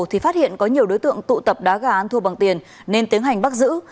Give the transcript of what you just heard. thì phát hiện có nhiều đối tượng tụ tập đá gà ăn thua bằng tiền nên tiến hành bắt giữ